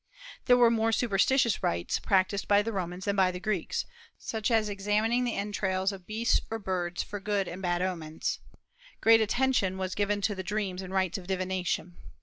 There were more superstitious rites practised by the Romans than by the Greeks, such as examining the entrails of beasts and birds for good or bad omens. Great attention was given to dreams and rites of divination.